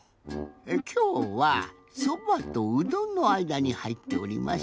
きょうはそばとうどんのあいだにはいっております。